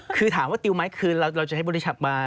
คือถามว่าติวไหมคือเราจะให้บริษัทมา